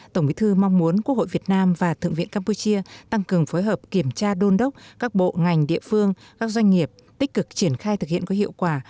tổng bí thư mong muốn quốc hội việt nam và thượng viện campuchia tăng cường phối hợp kiểm tra đôn đốc các bộ ngành địa phương các doanh nghiệp tích cực triển khai thực hiện có hiệu quả